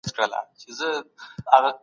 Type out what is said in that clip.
یوازي یو عرفاني نهضت نه و راپیل کړی.